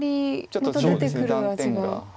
ちょっと断点が。